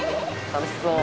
楽しそう。